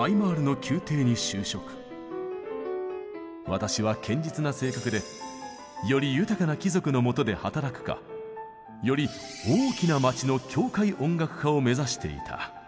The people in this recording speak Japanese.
私は堅実な性格でより豊かな貴族のもとで働くかより大きな町の教会音楽家を目指していた。